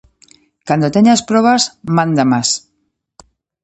Cando teñas probas mándamas.